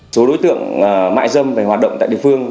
số đối tượng mại dâm về hoạt động tại địa phương